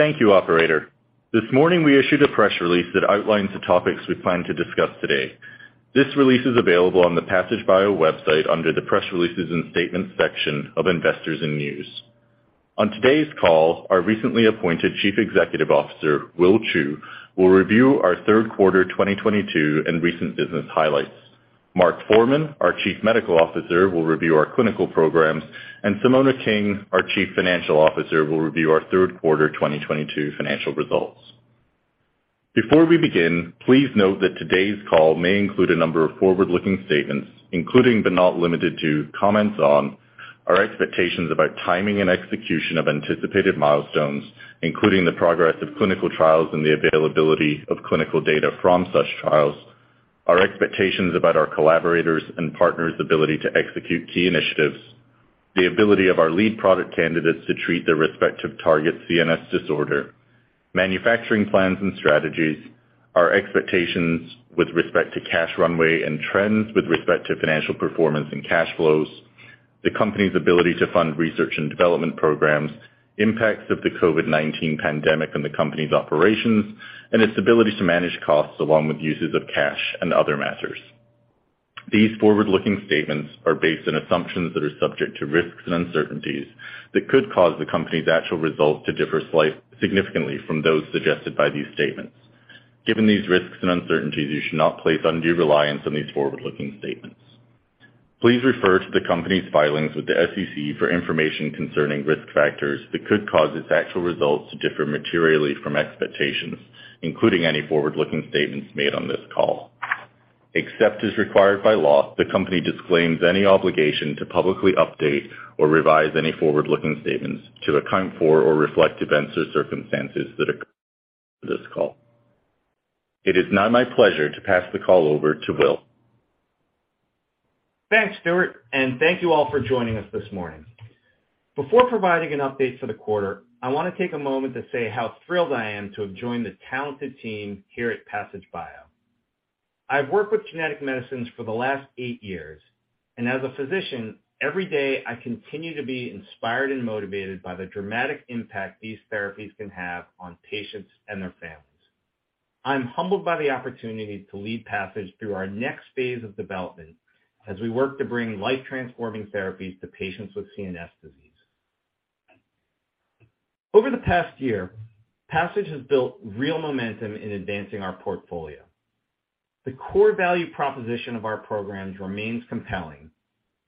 Thank you operator. This morning we issued a press release that outlines the topics we plan to discuss today. This release is available on the Passage Bio website under the Press Releases and Statements section of Investors and News. On today's call, our recently appointed Chief Executive Officer, William Chou, will review our third quarter 2022 and recent business highlights. Mark Forman, our Chief Medical Officer, will review our clinical programs, and Simona King, our Chief Financial Officer, will review our third quarter 2022 financial results. Before we begin, please note that today's call may include a number of forward-looking statements, including, but not limited to, comments on our expectations about timing and execution of anticipated milestones, including the progress of clinical trials and the availability of clinical data from such trials, our expectations about our collaborators' and partners' ability to execute key initiatives, the ability of our lead product candidates to treat their respective target CNS disorder, manufacturing plans and strategies, our expectations with respect to cash runway and trends with respect to financial performance and cash flows, the company's ability to fund research and development programs, impacts of the COVID-19 pandemic on the company's operations, and its ability to manage costs along with uses of cash and other matters. These forward-looking statements are based on assumptions that are subject to risks and uncertainties that could cause the company's actual results to differ significantly from those suggested by these statements. Given these risks and uncertainties, you should not place undue reliance on these forward-looking statements. Please refer to the company's filings with the SEC for information concerning risk factors that could cause its actual results to differ materially from expectations, including any forward-looking statements made on this call. Except as required by law, the company disclaims any obligation to publicly update or revise any forward-looking statements to account for or reflect events or circumstances that occur after this call. It is now my pleasure to pass the call over to Will. Thanks Stuart, and thank you all for joining us this morning. Before providing an update for the quarter, I want to take a moment to say how thrilled I am to have joined the talented team here at Passage Bio. I've worked with genetic medicines for the last eight years, and as a physician, every day I continue to be inspired and motivated by the dramatic impact these therapies can have on patients and their families. I'm humbled by the opportunity to lead Passage through our next phase of development as we work to bring life-transforming therapies to patients with CNS disease. Over the past year, Passage has built real momentum in advancing our portfolio. The core value proposition of our programs remains compelling,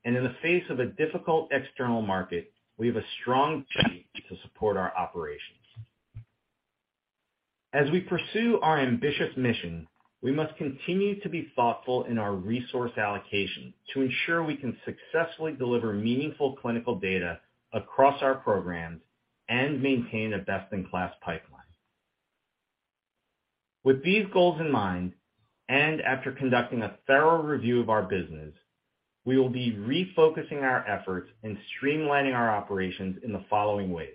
and in the face of a difficult external market, we have a strong team to support our operations. As we pursue our ambitious mission, we must continue to be thoughtful in our resource allocation to ensure we can successfully deliver meaningful clinical data across our programs and maintain a best-in-class pipeline. With these goals in mind, and after conducting a thorough review of our business, we will be refocusing our efforts and streamlining our operations in the following ways.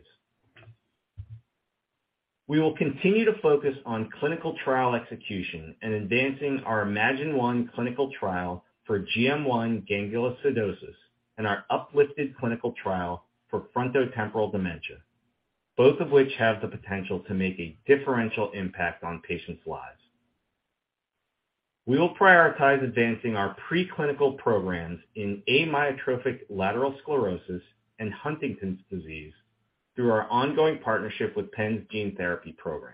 We will continue to focus on clinical trial execution and advancing our Imagine-1 clinical trial for GM1 gangliosidosis and our upliFT-D clinical trial for frontotemporal dementia, both of which have the potential to make a differential impact on patients' lives. We will prioritize advancing our pre-clinical programs in amyotrophic lateral sclerosis and Huntington's disease through our ongoing partnership with Penn's Gene Therapy Program.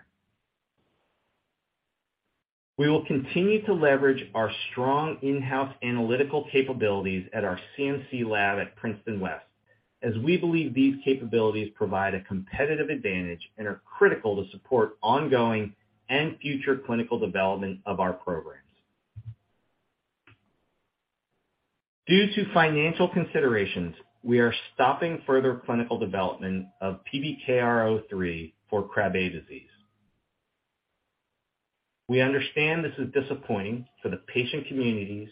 We will continue to leverage our strong in-house analytical capabilities at our CMC lab at Princeton West, as we believe these capabilities provide a competitive advantage and are critical to support ongoing and future clinical development of our programs. Due to financial considerations, we are stopping further clinical development of PBKR03 for Krabbe disease. We understand this is disappointing for the patient communities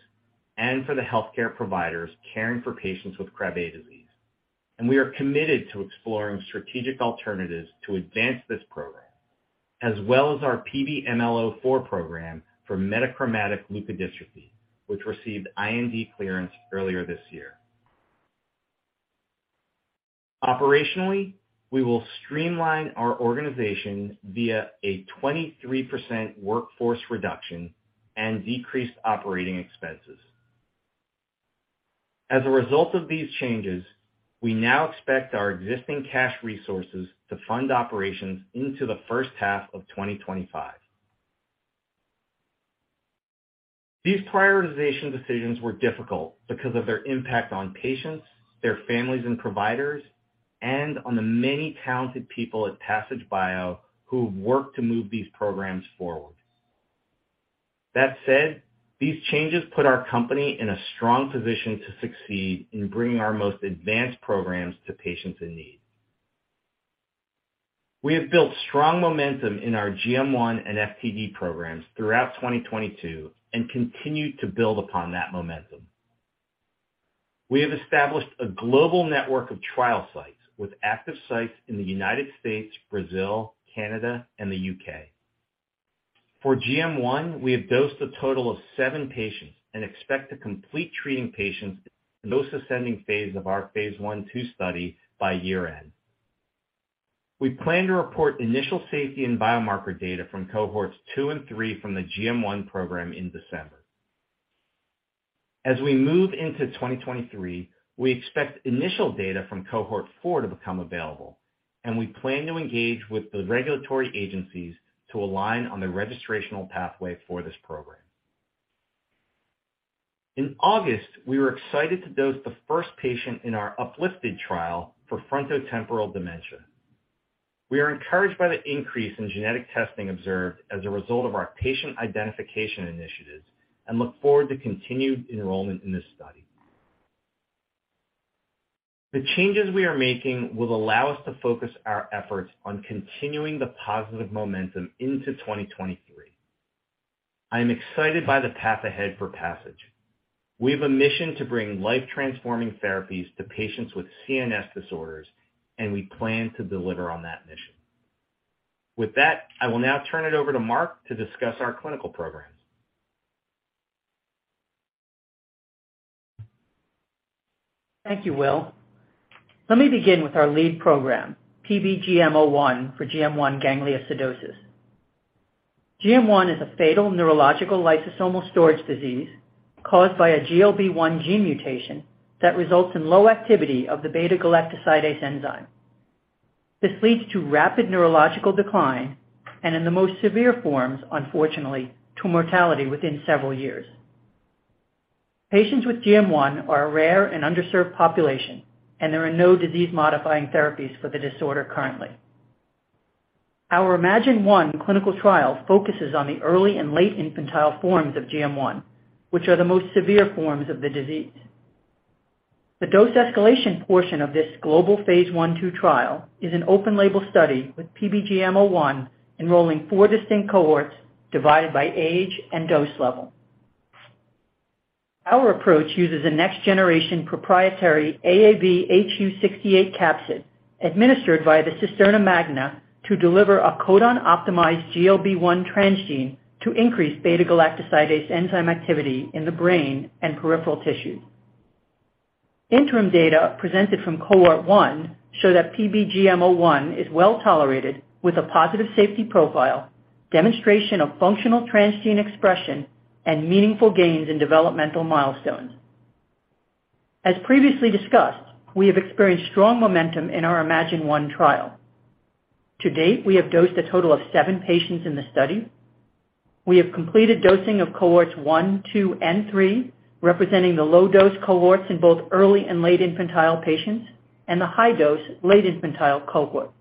and for the healthcare providers caring for patients with Krabbe disease, and we are committed to exploring strategic alternatives to advance this program, as well as our PBML04 program for metachromatic leukodystrophy, which received IND clearance earlier this year. Operationally, we will streamline our organization via a 23% workforce reduction and decreased operating expenses. As a result of these changes, we now expect our existing cash resources to fund operations into the first half of 2025. These prioritization decisions were difficult because of their impact on patients, their families and providers, and on the many talented people at Passage Bio who have worked to move these programs forward. That said, these changes put our company in a strong position to succeed in bringing our most advanced programs to patients in need. We have built strong momentum in our GM1 and FTD programs throughout 2022 and continue to build upon that momentum. We have established a global network of trial sites with active sites in the United States, Brazil, Canada, and the U.K. For GM1, we have dosed a total of seven patients and expect to complete treating patients in dose ascending phase of our phase I/II study by year-end. We plan to report initial safety and biomarker data from cohorts two and three from the GM1 program in December. As we move into 2023, we expect initial data from cohort four to become available, and we plan to engage with the regulatory agencies to align on the registrational pathway for this program. In August, we were excited to dose the first patient in our upliFT-D trial for frontotemporal dementia. We are encouraged by the increase in genetic testing observed as a result of our patient identification initiatives and look forward to continued enrollment in this study. The changes we are making will allow us to focus our efforts on continuing the positive momentum into 2023. I am excited by the path ahead for Passage. We have a mission to bring life transforming therapies to patients with CNS disorders, and we plan to deliver on that mission. With that, I will now turn it over to Mark to discuss our clinical programs. Thank you, Will. Let me begin with our lead program, PBGM01 for GM1 gangliosidosis. GM1 is a fatal neurological lysosomal storage disease caused by a GLB1 gene mutation that results in low activity of the beta-galactosidase enzyme. This leads to rapid neurological decline and in the most severe forms, unfortunately, to mortality within several years. Patients with GM1 are a rare and underserved population, and there are no disease-modifying therapies for the disorder currently. Our Imagine-1 clinical trial focuses on the early and late infantile forms of GM1, which are the most severe forms of the disease. The dose escalation portion of this global phase I/II trial is an open label study with PBGM01 enrolling four distinct cohorts divided by age and dose level. Our approach uses a next-generation proprietary AAVhu68 capsid administered via the cisterna magna to deliver a codon-optimized GLB1 transgene to increase beta-galactosidase enzyme activity in the brain and peripheral tissue. Interim data presented from cohort one show that PBGM01 is well-tolerated with a positive safety profile, demonstration of functional transgene expression, and meaningful gains in developmental milestones. As previously discussed, we have experienced strong momentum in our Imagine-1 trial. To date, we have dosed a total of seven patients in the study. We have completed dosing of cohorts one, two, and three, representing the low dose cohorts in both early and late infantile patients, and the high dose late infantile cohort.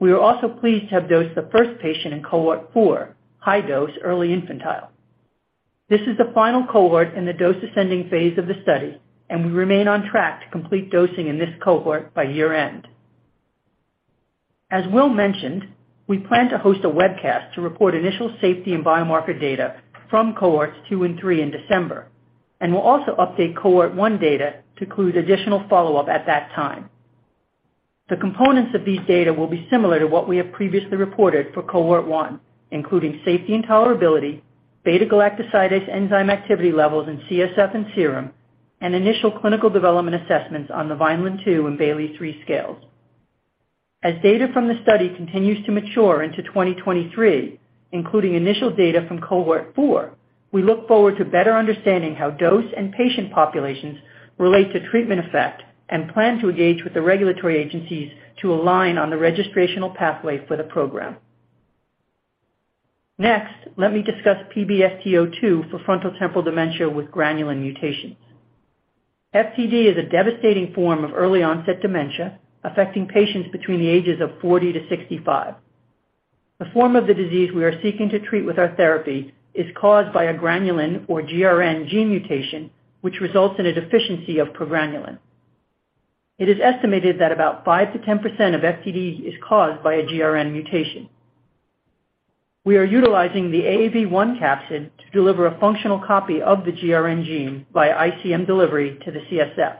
We are also pleased to have dosed the first patient in cohort four, high dose early infantile. This is the final cohort in the dose ascending phase of the study, and we remain on track to complete dosing in this cohort by year-end. As Will mentioned, we plan to host a webcast to report initial safety and biomarker data from cohorts two and three in December, and we'll also update cohort one data to include additional follow-up at that time. The components of these data will be similar to what we have previously reported for cohort one, including safety and tolerability, beta-galactosidase enzyme activity levels in CSF and serum, and initial clinical developmental assessments on the Vineland-II and Bayley-III scales. As data from the study continues to mature into 2023, including initial data from cohort four, we look forward to better understanding how dose and patient populations relate to treatment effect and plan to engage with the regulatory agencies to align on the registrational pathway for the program. Next, let me discuss PBFT02 for frontotemporal dementia with granulin mutations. FTD is a devastating form of early-onset dementia affecting patients between the ages of 40-65. The form of the disease we are seeking to treat with our therapy is caused by a granulin or GRN gene mutation, which results in a deficiency of progranulin. It is estimated that about 5%-10% of FTD is caused by a GRN mutation. We are utilizing the AAV1 capsid to deliver a functional copy of the GRN gene via ICM delivery to the CSF.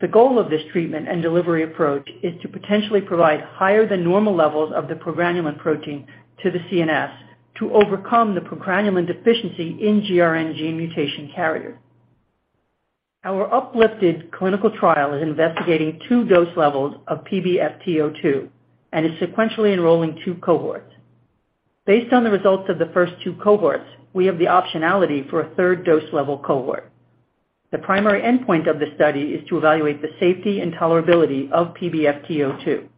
The goal of this treatment and delivery approach is to potentially provide higher than normal levels of the progranulin protein to the CNS to overcome the progranulin deficiency in GRN gene mutation carrier. Our upliFT-D clinical trial is investigating two dose levels of PBFT02 and is sequentially enrolling two cohorts. Based on the results of the first two cohorts, we have the optionality for a third dose level cohort. The primary endpoint of the study is to evaluate the safety and tolerability of PBFT02.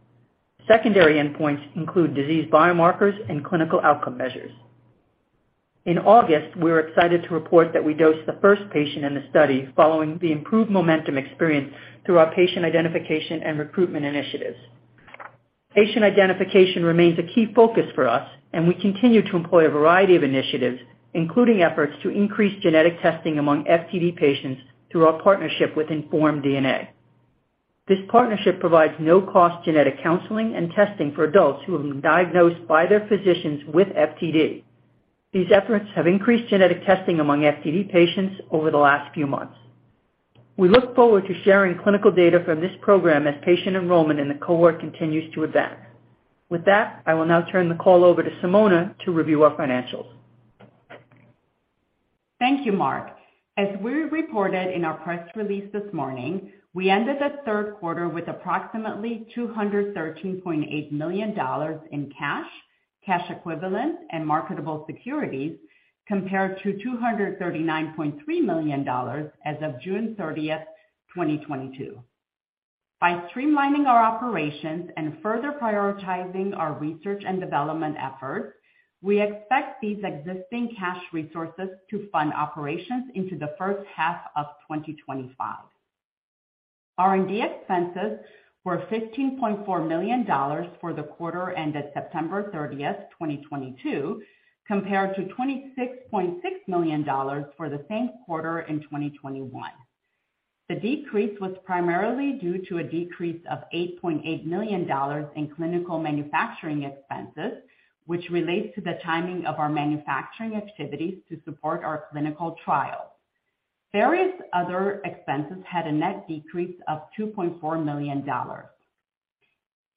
Secondary endpoints include disease biomarkers and clinical outcome measures. In August, we were excited to report that we dosed the first patient in the study following the improved momentum experienced through our patient identification and recruitment initiatives. Patient identification remains a key focus for us, and we continue to employ a variety of initiatives, including efforts to increase genetic testing among FTD patients through our partnership with InformedDNA. This partnership provides no-cost genetic counseling and testing for adults who have been diagnosed by their physicians with FTD. These efforts have increased genetic testing among FTD patients over the last few months. We look forward to sharing clinical data from this program as patient enrollment in the cohort continues to advance. With that, I will now turn the call over to Simona to review our financials. Thank you, Mark. As we reported in our press release this morning, we ended the third quarter with approximately $213.8 million in cash equivalents, and marketable securities compared to $239.3 million as of June 30, 2022. By streamlining our operations and further prioritizing our research and development efforts, we expect these existing cash resources to fund operations into the first half of 2025. R&D expenses were $15.4 million for the quarter ended September 30, 2022, compared to $26.6 million for the same quarter in 2021. The decrease was primarily due to a decrease of $8.8 million in clinical manufacturing expenses, which relates to the timing of our manufacturing activities to support our clinical trials. Various other expenses had a net decrease of $2.4 million.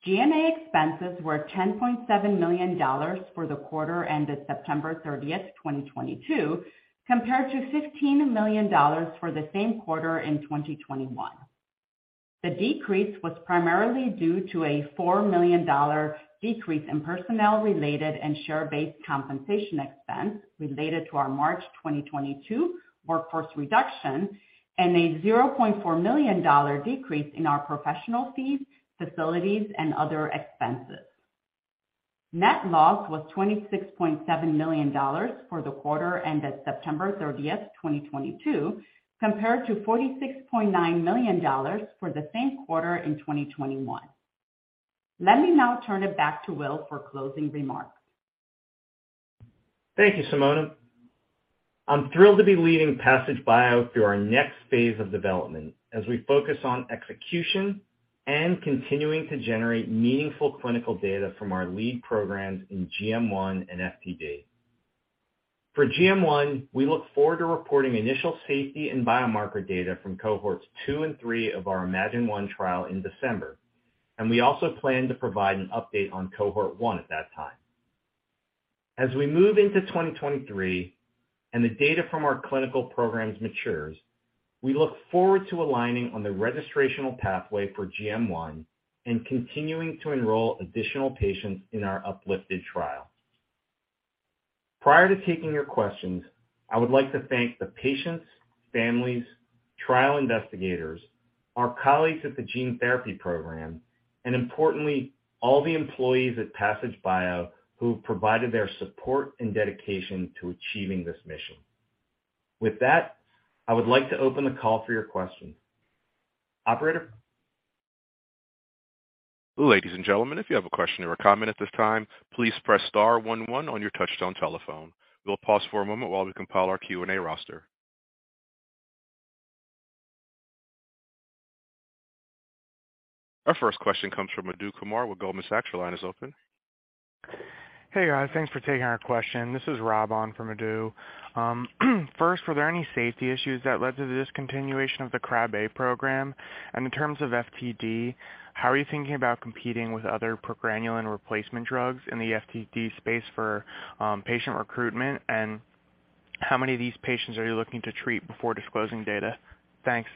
G&A expenses were $10.7 million for the quarter ended September 30, 2022, compared to $15 million for the same quarter in 2021. The decrease was primarily due to a $4 million decrease in personnel-related and share-based compensation expense related to our March 2022 workforce reduction and a $0.4 million decrease in our professional fees, facilities, and other expenses. Net loss was $26.7 million for the quarter ended September 30, 2022, compared to $46.9 million for the same quarter in 2021. Let me now turn it back to Will for closing remarks. Thank you, Simona. I'm thrilled to be leading Passage Bio through our next phase of development as we focus on execution and continuing to generate meaningful clinical data from our lead programs in GM1 and FTD. For GM1, we look forward to reporting initial safety and biomarker data from cohorts two and three of our Imagine-1 trial in December, and we also plan to provide an update on cohort one at that time. As we move into 2023 and the data from our clinical programs matures, we look forward to aligning on the registrational pathway for GM1 and continuing to enroll additional patients in our upliFT-D trial. Prior to taking your questions, I would like to thank the patients, families, trial investigators, our colleagues at the gene therapy program, and importantly, all the employees at Passage Bio who have provided their support and dedication to achieving this mission. With that, I would like to open the call for your questions. Operator? Ladies and gentlemen, if you have a question or a comment at this time, please press star one one on your touchtone telephone. We'll pause for a moment while we compile our Q&A roster. Our first question comes from Adu Kumar with Goldman Sachs. Your line is open. Hey, guys. Thanks for taking our question. This is Rob on for Adu Kumar. First, were there any safety issues that led to the discontinuation of the Krabbe program? In terms of FTD, how are you thinking about competing with other progranulin replacement drugs in the FTD space for patient recruitment? How many of these patients are you looking to treat before disclosing data? Thanks.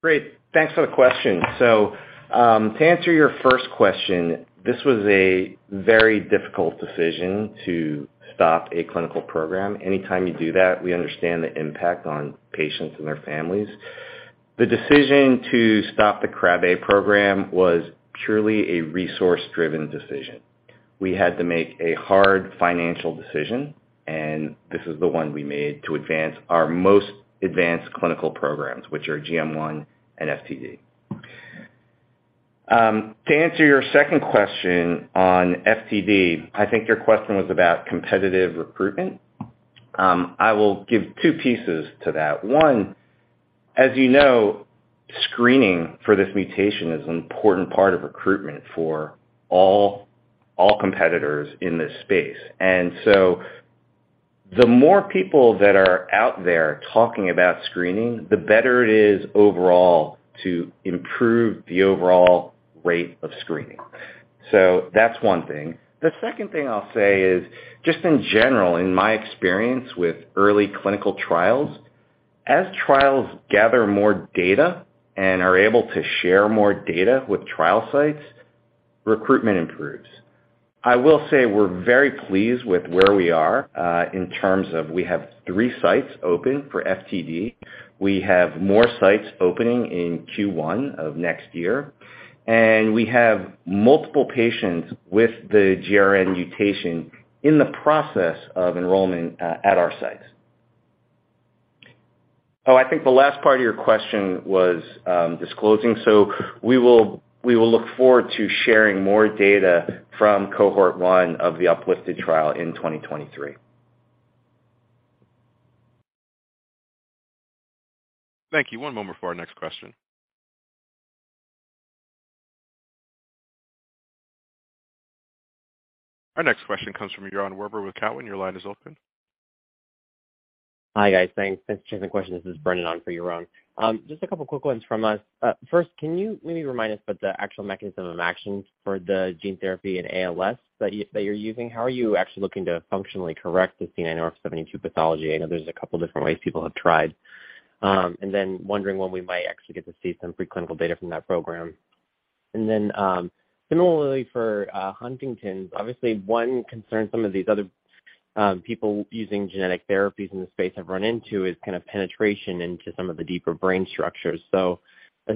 Great. Thanks for the question. To answer your first question, this was a very difficult decision to stop a clinical program. Anytime you do that, we understand the impact on patients and their families. The decision to stop the Krabbe program was purely a resource-driven decision. We had to make a hard financial decision, and this is the one we made to advance our most advanced clinical programs, which are GM1 and FTD. To answer your second question on FTD, I think your question was about competitive recruitment. I will give two pieces to that. One, as you know, screening for this mutation is an important part of recruitment for all competitors in this space. The more people that are out there talking about screening, the better it is overall to improve the overall rate of screening. That's one thing. The second thing I'll say is, just in general, in my experience with early clinical trials, as trials gather more data and are able to share more data with trial sites, recruitment improves. I will say we're very pleased with where we are in terms of we have three sites open for FTD. We have more sites opening in Q1 of next year, and we have multiple patients with the GRN mutation in the process of enrollment at our sites. Oh, I think the last part of your question was disclosing. We will look forward to sharing more data from cohort 1 of the upliFT-D trial in 2023. Thank you. One moment for our next question. Our next question comes from Yaron Werber with Cowen. Your line is open. Hi, guys. Thanks for taking the question. This is Brendan on for Yaron. Just a couple of quick ones from us. First, can you maybe remind us about the actual mechanism of action for the gene therapy in ALS that you're using? How are you actually looking to functionally correct the C9orf72 pathology? I know there's a couple different ways people have tried. Wondering when we might actually get to see some preclinical data from that program. Similarly for Huntington's, obviously one concern some of these other people using genetic therapies in the space have run into is kind of penetration into some of the deeper brain structures.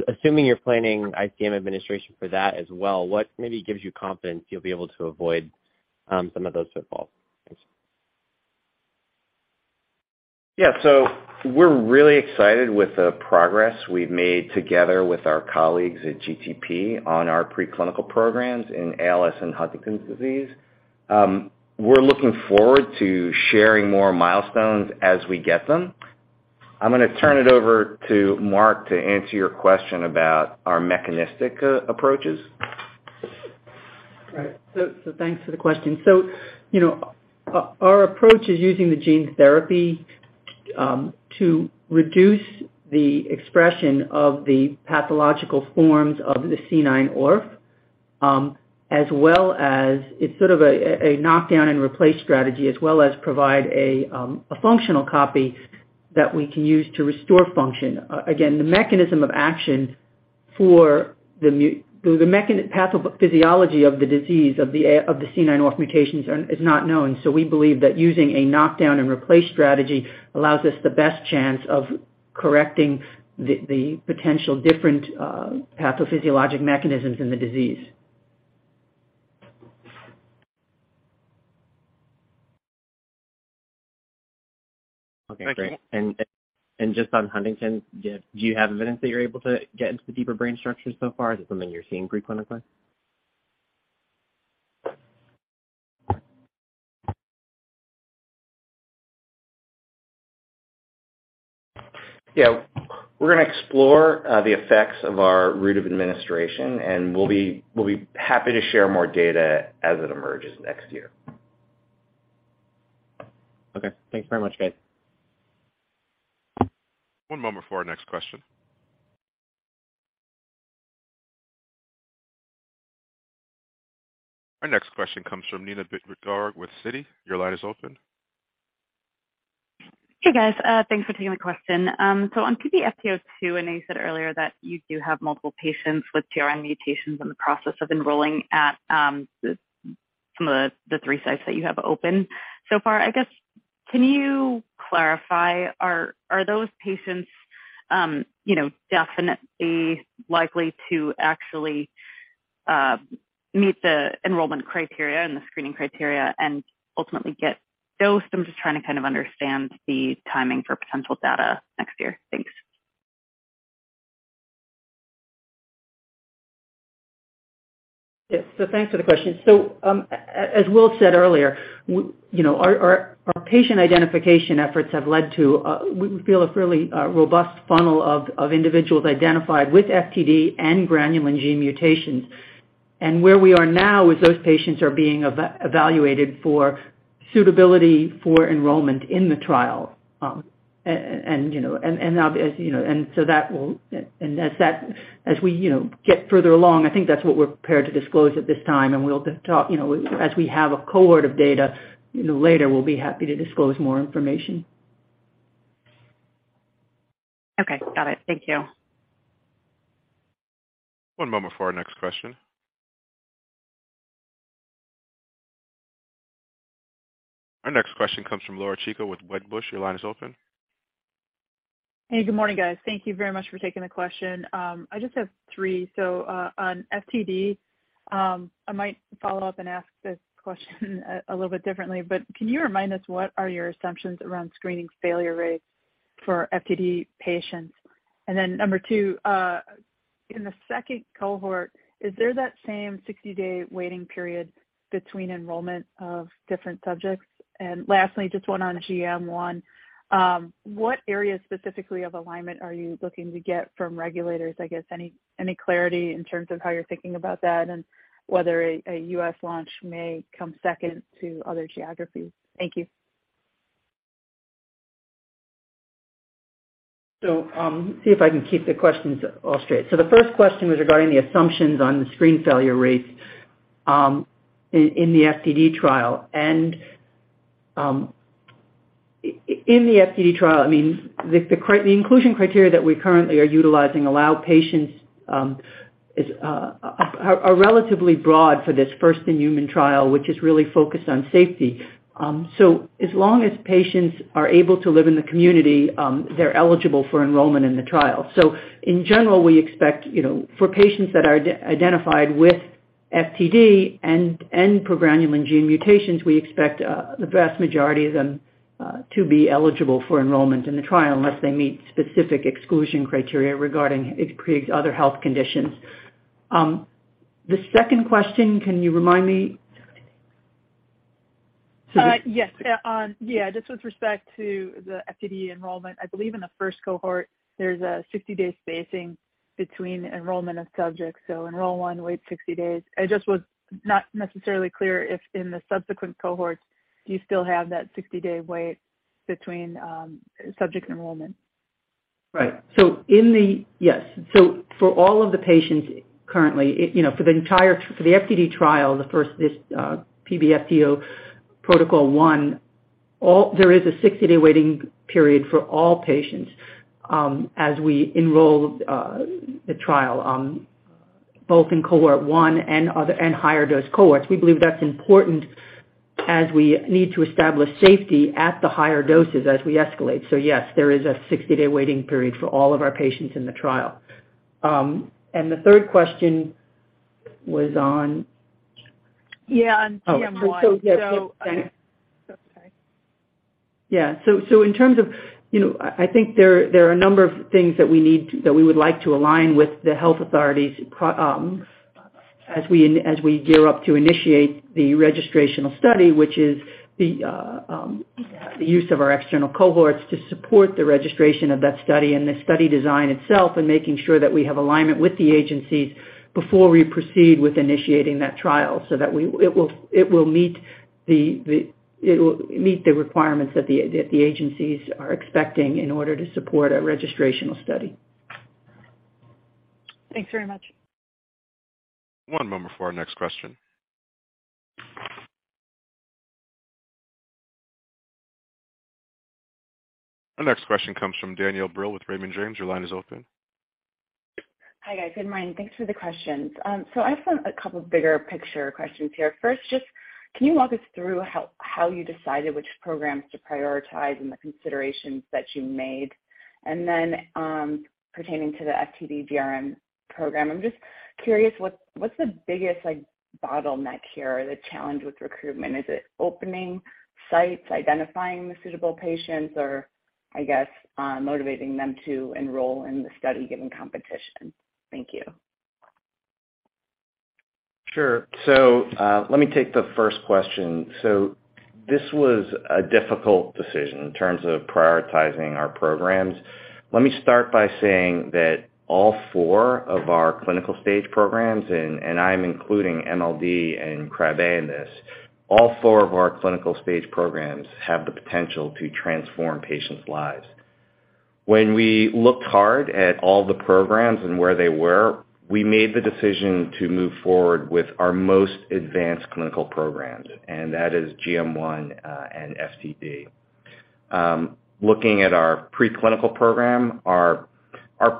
Assuming you're planning ICM administration for that as well, what maybe gives you confidence you'll be able to avoid some of those pitfalls? Thanks. Yeah. We're really excited with the progress we've made together with our colleagues at GTP on our preclinical programs in ALS and Huntington's disease. We're looking forward to sharing more milestones as we get them. I'm gonna turn it over to Mark to answer your question about our mechanistic approaches. Thanks for the question. You know, our approach is using the gene therapy to reduce the expression of the pathological forms of the C9orf72, as well as it's sort of a knockdown and replace strategy, as well as provide a functional copy that we can use to restore function. Again, the mechanism of action for the pathophysiology of the disease of the C9orf72 mutations is not known, so we believe that using a knockdown and replace strategy allows us the best chance of correcting the potential different pathophysiologic mechanisms in the disease. Okay, great. Just on Huntington, do you have evidence that you're able to get into the deeper brain structures so far? Is it something you're seeing preclinically? Yeah. We're gonna explore the effects of our route of administration, and we'll be happy to share more data as it emerges next year. Okay. Thanks very much, guys. One moment for our next question. Our next question comes from Neena Bitritto-Garg with Citi. Your line is open. Hey, guys. Thanks for taking the question. So on PBFT02, I know you said earlier that you do have multiple patients with GRN mutations in the process of enrolling at some of the three sites that you have open so far. I guess, can you clarify, are those patients you know definitely likely to actually meet the enrollment criteria and the screening criteria and ultimately get dosed? I'm just trying to kind of understand the timing for potential data next year. Thanks. Yeah. Thanks for the question. As Will said earlier, you know, our patient identification efforts have led to, we feel a fairly robust funnel of individuals identified with FTD and Granulin gene mutations. Where we are now is those patients are being evaluated for suitability for enrollment in the trial. As that, as we, you know, get further along, I think that's what we're prepared to disclose at this time, and we'll talk, you know, as we have a cohort of data, you know, later. We'll be happy to disclose more information. Okay. Got it. Thank you. One moment for our next question. Our next question comes from Laura Chico with Wedbush. Your line is open. Hey, good morning, guys. Thank you very much for taking the question. I just have three. On FTD, I might follow up and ask this question a little bit differently, but can you remind us what are your assumptions around screening failure rates for FTD patients? Number two, in the second cohort, is there that same 60-day waiting period between enrollment of different subjects? Lastly, just one on GM1, what areas specifically of alignment are you looking to get from regulators? I guess any clarity in terms of how you're thinking about that and whether a U.S. launch may come second to other geographies. Thank you. See if I can keep the questions all straight. The first question was regarding the assumptions on the screen failure rates in the FTD trial. In the FTD trial, I mean, the inclusion criteria that we currently are utilizing allow patients are relatively broad for this first-in-human trial, which is really focused on safety. As long as patients are able to live in the community, they're eligible for enrollment in the trial. In general, we expect, you know, for patients that are identified with FTD and progranulin gene mutations, we expect the vast majority of them to be eligible for enrollment in the trial unless they meet specific exclusion criteria regarding other health conditions. The second question, can you remind me? Yes. Just with respect to the FTD enrollment. I believe in the first cohort, there's a 60-day spacing between enrollment of subjects. Enroll one, wait 60 days. I just was not necessarily clear if in the subsequent cohorts do you still have that 60-day wait between subject enrollment? For all of the patients currently, you know, for the entire FTD trial, the first PBFT02 protocol 1, all there is a 60-day waiting period for all patients as we enroll the trial, both in cohort one and other, and higher dose cohorts. We believe that's important as we need to establish safety at the higher doses as we escalate. Yes, there is a 60-day waiting period for all of our patients in the trial. The third question was on? Yeah, on GM1. Oh, yes. Okay. Yeah. In terms of, you know, I think there are a number of things that we would like to align with the health authorities prior to, as we gear up to initiate the registrational study, which is the use of our external cohorts to support the registration of that study and the study design itself, and making sure that we have alignment with the agencies before we proceed with initiating that trial so that it will meet the requirements that the agencies are expecting in order to support a registrational study. Thanks very much. One moment for our next question. Our next question comes from Danielle Brill with Raymond James. Your line is open. Hi, guys. Good morning. Thanks for the questions. I just have a couple bigger picture questions here. First, just can you walk us through how you decided which programs to prioritize and the considerations that you made? Pertaining to the FTD GRN program, I'm just curious what's the biggest like bottleneck here or the challenge with recruitment? Is it opening sites, identifying the suitable patients or I guess, motivating them to enroll in the study given competition? Thank you. Sure. Let me take the first question. This was a difficult decision in terms of prioritizing our programs. Let me start by saying that all four of our clinical stage programs, and I'm including MLD and Krabbe in this, all four of our clinical stage programs have the potential to transform patients' lives. When we looked hard at all the programs and where they were, we made the decision to move forward with our most advanced clinical programs, and that is GM1 and FTD. Looking at our pre-clinical program, our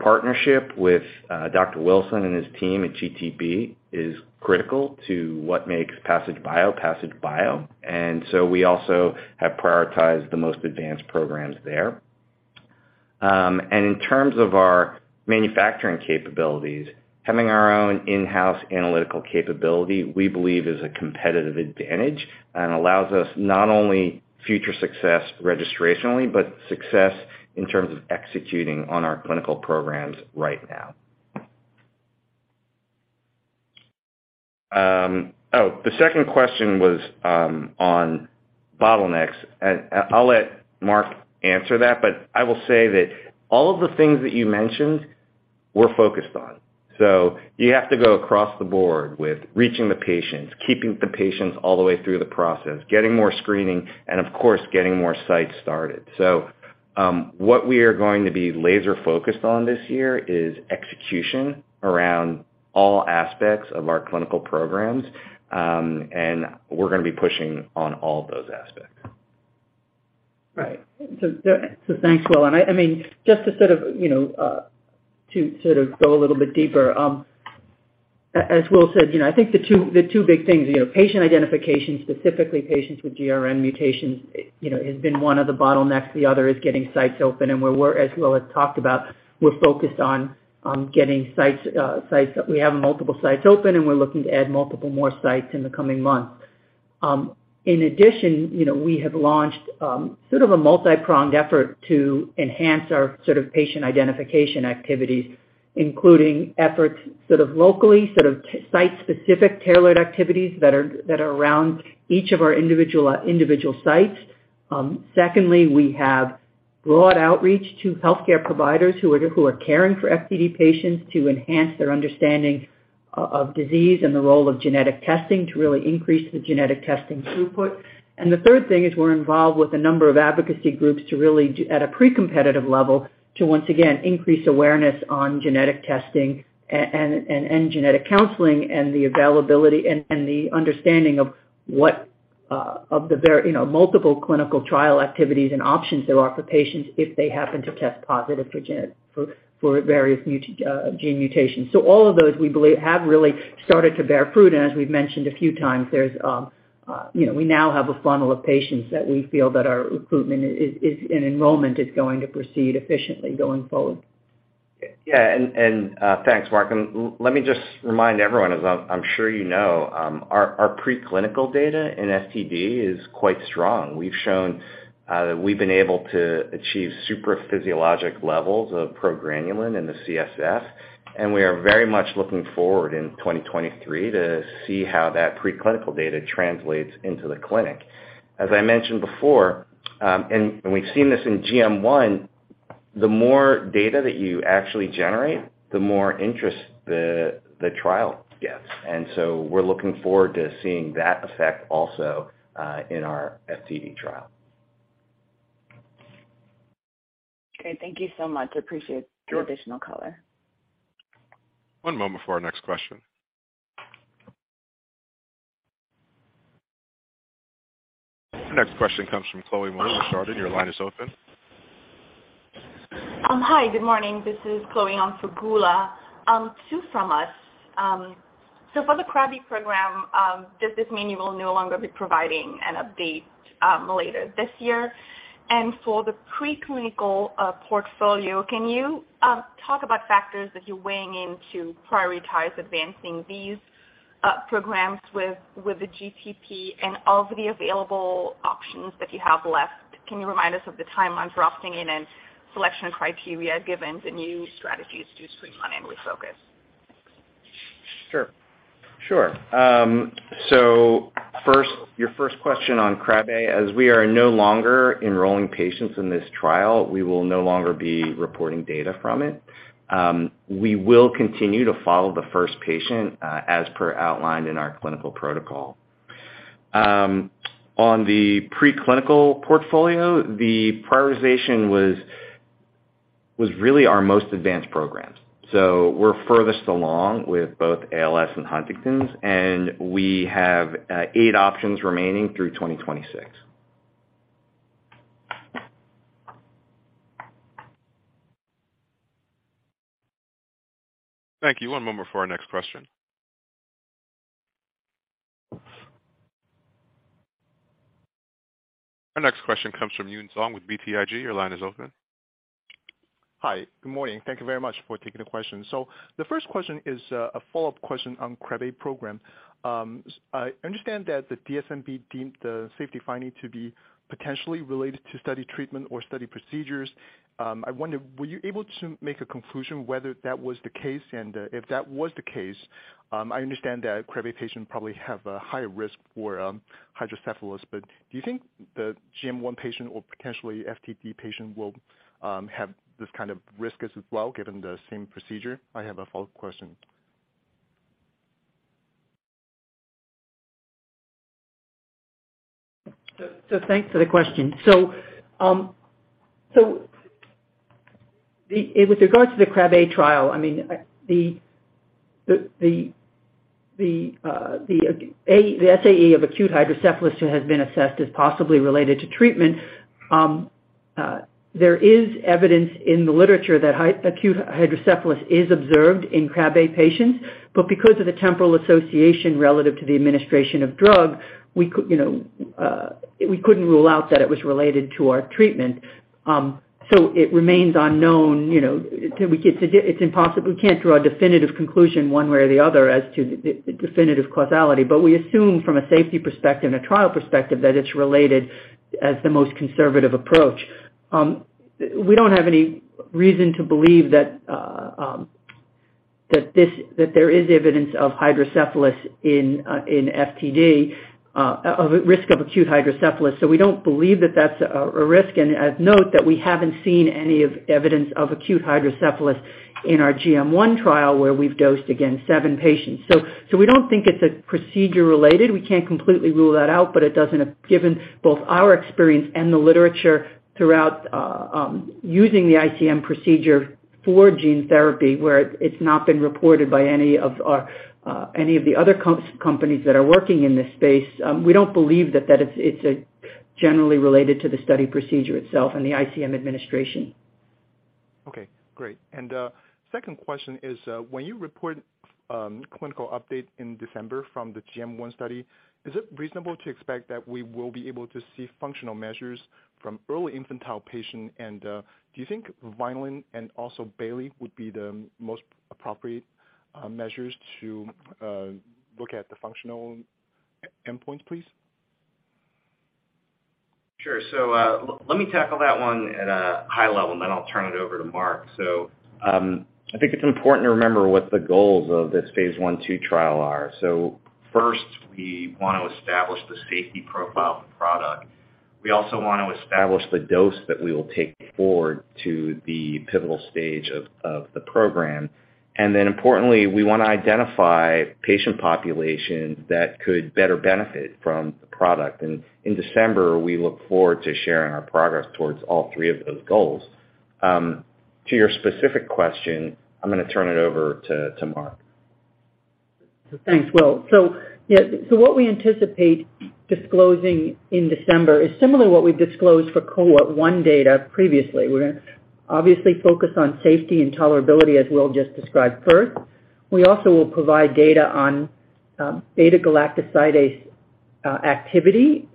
partnership with Dr. Wilson and his team at GTP is critical to what makes Passage Bio. We also have prioritized the most advanced programs there. In terms of our manufacturing capabilities, having our own in-house analytical capability, we believe is a competitive advantage and allows us not only future success registrationally, but success in terms of executing on our clinical programs right now. The second question was on bottlenecks, and I'll let Mark answer that, but I will say that all of the things that you mentioned we're focused on. You have to go across the board with reaching the patients, keeping the patients all the way through the process, getting more screening, and of course, getting more sites started. What we are going to be laser focused on this year is execution around all aspects of our clinical programs, and we're gonna be pushing on all of those aspects. Right. Thanks, Will. I mean, just to sort of, you know, to sort of go a little bit deeper, as Will said, you know, I think the two big things, you know, patient identification, specifically patients with GRN mutations, you know, has been one of the bottlenecks. The other is getting sites open. As Will has talked about, we're focused on getting sites. We have multiple sites open, and we're looking to add multiple more sites in the coming months. In addition, you know, we have launched sort of a multi-pronged effort to enhance our sort of patient identification activities, including efforts sort of locally, sort of site-specific tailored activities that are around each of our individual sites. Secondly, we have broad outreach to healthcare providers who are caring for FTD patients to enhance their understanding of disease and the role of genetic testing to really increase the genetic testing throughput. The third thing is we're involved with a number of advocacy groups to really at a pre-competitive level to once again increase awareness on genetic testing and genetic counseling and the availability and the understanding of what, you know, multiple clinical trial activities and options there are for patients if they happen to test positive for various gene mutations. All of those, we believe, have really started to bear fruit. As we've mentioned a few times, there's you know, we now have a funnel of patients that we feel that our recruitment is and enrollment is going to proceed efficiently going forward. Yeah. Thanks, Mark. Let me just remind everyone, as I'm sure you know, our preclinical data in FTD is quite strong. We've shown. We've been able to achieve supraphysiologic levels of progranulin in the CSF, and we are very much looking forward in 2023 to see how that preclinical data translates into the clinic. As I mentioned before, we've seen this in GM1, the more data that you actually generate, the more interest the trial gets. We're looking forward to seeing that effect also in our FTD trial. Okay. Thank you so much. Sure. the additional color. One moment for our next question. The next question comes from Chloé Mona with Chardan. Your line is open. Hi, good morning. This is Chloé on for Geulah. Two from us. For the Krabbe program, does this mean you will no longer be providing an update later this year? For the preclinical portfolio, can you talk about factors that you're weighing in to prioritize advancing these programs with the GTP and of the available options that you have left? Can you remind us of the timelines for opting in and selection criteria given the new strategies to streamline and refocus? Sure. First, your first question on Krabbe, as we are no longer enrolling patients in this trial, we will no longer be reporting data from it. We will continue to follow the first patient, as per outlined in our clinical protocol. On the preclinical portfolio, the prioritization was really our most advanced programs. We're furthest along with both ALS and Huntington's, and we have eight options remaining through 2026. Thank you. One moment for our next question. Our next question comes from Yun Zhong with BTIG. Your line is open. Hi. Good morning. Thank you very much for taking the question. The first question is a follow-up question on Krabbe program. I understand that the DSMB deemed the safety finding to be potentially related to study treatment or study procedures. I wonder, were you able to make a conclusion whether that was the case? And if that was the case, I understand that Krabbe patients probably have a higher risk for hydrocephalus, but do you think the GM1 patient or potentially FTD patient will have this kind of risk as well, given the same procedure? I have a follow-up question. Thanks for the question. With regards to the Krabbe trial, I mean, the SAE of acute hydrocephalus has been assessed as possibly related to treatment. There is evidence in the literature that acute hydrocephalus is observed in Krabbe patients, but because of the temporal association relative to the administration of drug, you know, we couldn't rule out that it was related to our treatment. It remains unknown, you know, it's impossible. We can't draw a definitive conclusion one way or the other as to the definitive causality, but we assume from a safety perspective and a trial perspective that it's related as the most conservative approach. We don't have any reason to believe that there is evidence of hydrocephalus in FTD or risk of acute hydrocephalus. We don't believe that that's a risk. I'd note that we haven't seen any evidence of acute hydrocephalus in our GM1 trial where we've dosed seven patients. We don't think it's a procedure related. We can't completely rule that out, but given both our experience and the literature throughout using the ICM procedure for gene therapy, where it's not been reported by any of the other companies that are working in this space. We don't believe that it's generally related to the study procedure itself and the ICM administration. Okay, great. Second question is, when you report clinical update in December from the GM1 study, is it reasonable to expect that we will be able to see functional measures from early infantile patient? Do you think Vineland and also Bayley would be the most appropriate measures to look at the functional endpoints, please? Sure. Let me tackle that one at a high level, and then I'll turn it over to Mark. I think it's important to remember what the goals of this phase I/II trial are. First, we want to establish the safety profile of the product. We also want to establish the dose that we will take forward to the pivotal stage of the program. And then importantly, we wanna identify patient population that could better benefit from the product. And in December, we look forward to sharing our progress towards all three of those goals. To your specific question, I'm gonna turn it over to Mark. Thanks, Will. What we anticipate disclosing in December is similar to what we disclosed for cohort one data previously. We're gonna obviously focus on safety and tolerability, as Will just described first. We also will provide data on beta-galactosidase activity,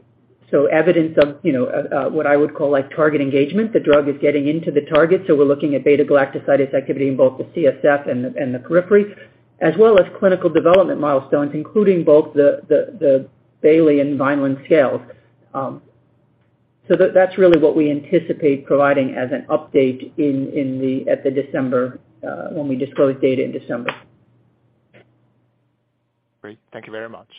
so evidence of, you know, what I would call like target engagement. The drug is getting into the target, so we're looking at beta-galactosidase activity in both the CSF and the periphery, as well as clinical development milestones, including both the Bayley and Vineland scales. That's really what we anticipate providing as an update in December when we disclose data in December. Great. Thank you very much.